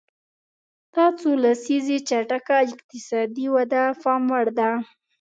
دا څو لسیزې چټکه اقتصادي وده د پام وړ ده.